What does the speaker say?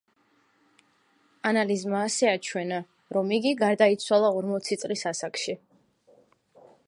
ანალიზმა ასევე აჩვენა, რომ იგი გარდაიცვალა ორმოცი წლის ასაკში.